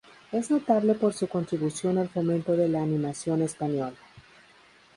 Es notable por su contribución al fomento de la animación española.